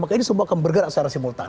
maka ini semua akan bergerak secara simultan